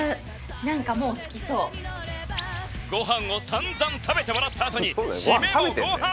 ご飯を散々食べてもらったあとにシメもご飯！